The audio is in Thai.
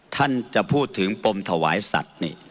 ท่านจะพูดถึงปมถวายสัตว์นี่